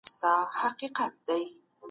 جهاد د تورو تیارو په وړاندي یو ډال دی.